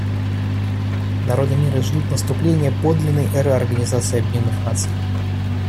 Народы мира ждут наступления подлинной эры Организации Объединенных Наций.